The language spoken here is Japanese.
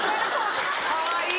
かわいい！